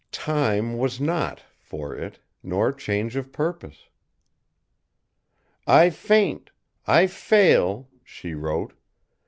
Time was not, for it, nor change of purpose. "I faint, I fail!" she wrote.